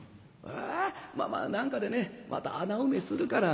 えまあまあ何かでねまた穴埋めするから。